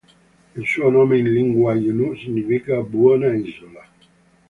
Il suo nome in lingua ainu significa "buona isola".